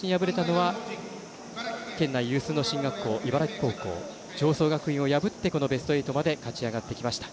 その明秀日立に敗れたのは県内有数の進学校茨城高校、常総学院を破ってこのベスト８まで勝ち上がってきました。